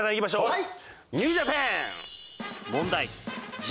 はい！